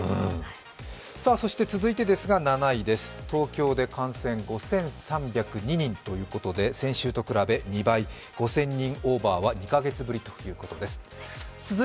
そして続いてですが７位です、東京で感染５３０２人ということで先週と比べ２倍、５０００人オーバーは２カ月ぶりということです。